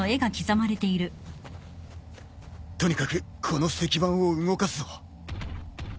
とにかくこの石板を動かすぞ。